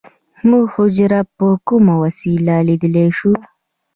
موږ حجره په کومه وسیله لیدلی شو